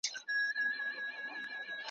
د سبا سبا په هیله ځواني شپو راڅخه یو وړه `